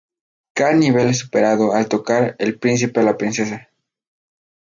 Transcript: Cada nivel es superado al tocar el príncipe a la princesa.